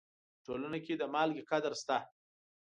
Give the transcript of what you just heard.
په ټولنه کې د مالګې قدر شته.